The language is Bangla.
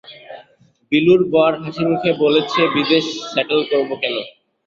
বিলুর বর হাসিমুখে বলেছে, বিদেশে স্যাটল করব কেন?